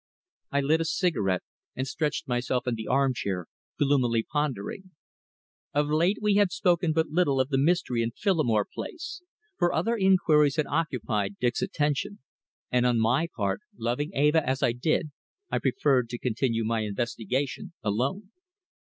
I lit a cigarette and stretched myself in the armchair, gloomily pondering. Of late we had spoken but little of the mystery in Phillimore Place, for other inquiries had occupied Dick's attention, and on my part, loving Eva as I did, I preferred to continue my investigation alone.